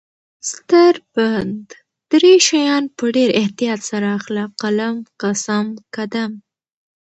ستر پند: دری شیان په ډیر احتیاط سره اخله: قلم ، قسم، قدم